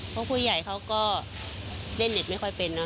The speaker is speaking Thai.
เพราะผู้ใหญ่เขาก็เล่นเน็ตไม่ค่อยเป็นเนอ